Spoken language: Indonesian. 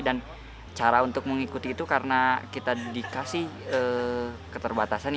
dan cara untuk mengikuti itu karena kita dikasih keterbatasan